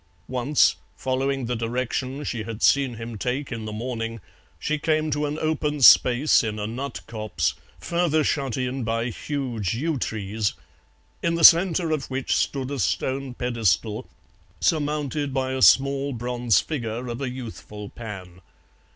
Once, following the direction she had seen him take in the morning, she came to an open space in a nut copse, further shut in by huge yew trees, in the centre of which stood a stone pedestal surmounted by a small bronze figure of a youthful Pan.